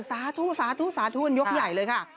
ซ้าทู่ยกใหญ่เลยค่ะ